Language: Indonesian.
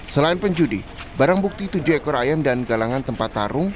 selain penjudi barang bukti tujuh ekor ayam dan galangan tempat tarung